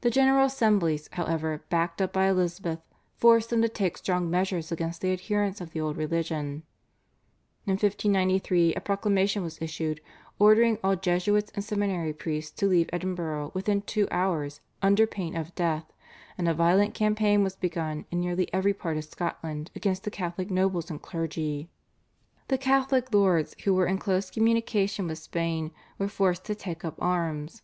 The General Assemblies, however, backed up by Elizabeth forced him to take strong measures against the adherents of the old religion. In 1593 a proclamation was issued ordering all Jesuits and seminary priests to leave Edinburgh within two hours under pain of death, and a violent campaign was begun in nearly every part of Scotland against the Catholic nobles and clergy. The Catholic lords who were in close communication with Spain were forced to take up arms.